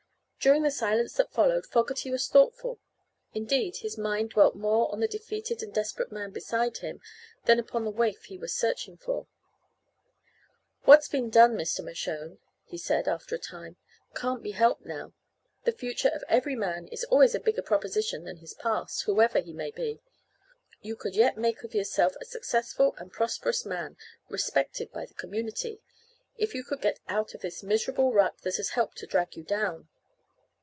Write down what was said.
During the silence that followed Fogerty was thoughtful. Indeed, his mind dwelt more upon the defeated and desperate man beside him than upon the waif he was searching for. "What's been done, Mr. Mershone," he said, after a time, "can't be helped now. The future of every man is always a bigger proposition than his past whoever he may be. With your talents and genius you could yet make of yourself a successful and prosperous man, respected by the community if you could get out of this miserable rut that has helped to drag you down."